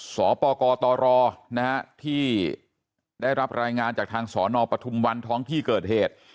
สปกตรที่ได้รับรายงานจากทางสนปทุมวันท้องที่เกิดเหตุ